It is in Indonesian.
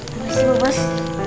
makasih bu bos